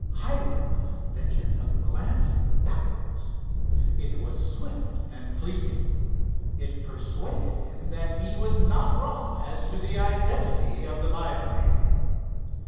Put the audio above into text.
Hiram ventured a glance backwards. It was swift and fleeting. It persuaded him that he was not wrong as to the identity of the biplane.